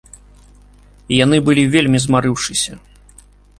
Яны былі вельмі змарыўшыся.